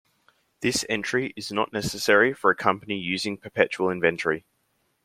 This entry is not necessary for a company using perpetual inventory.